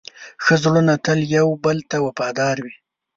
ښه زړونه تل یو بل ته وفادار وي.